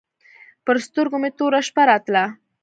پر سترګو مې توره شپه راتله.